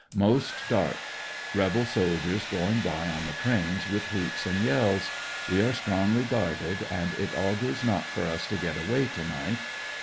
Most dark. Rebel soldiers going by on the trains, with hoots and yells. We are stronglj^ guarded, and it augurs not for us to get away to night.